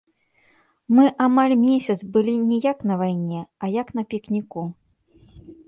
Мы амаль месяц былі не як на вайне, а як на пікніку.